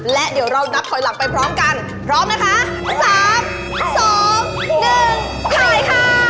และเดี๋ยวเรานับถอยหลังไปพร้อมกันพร้อมนะคะ๓๒๑ถ่ายค่ะ